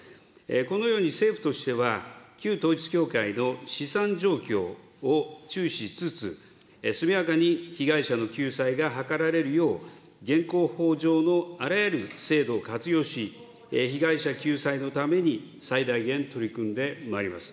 このように政府としては、旧統一教会の資産状況を注視しつつ、速やかに被害者の救済が図られるよう、現行法上のあらゆる制度を活用し、被害者救済のために最大限取り組んでまいります。